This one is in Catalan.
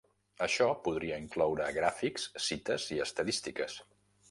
Això podria incloure gràfics, cites i estadístiques.